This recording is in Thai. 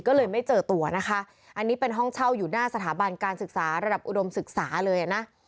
ก็เลยไม่เจอตัวนะคะอันนี้เป็นห้องเช่าอยู่หน้าสถาบันการศึกษาระดับอุดมศึกษาเลยนะ